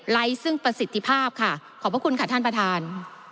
ซึ่งประสิทธิภาพค่ะขอบพระคุณค่ะท่านประธาน